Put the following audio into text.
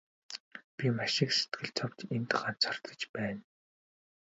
Би маш их сэтгэл зовж энд ганцаардаж байна.